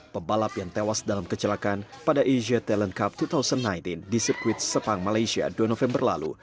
pembalap yang tewas dalam kecelakaan pada asia talent cup dua ribu sembilan belas di sirkuit sepang malaysia dua november lalu